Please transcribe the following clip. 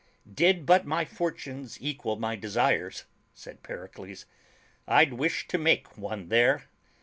"Did but my fortunes equal my desires/' said Pericles, "I'd wish to make one there."